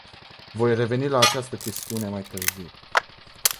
Voi reveni la această chestiune mai târziu.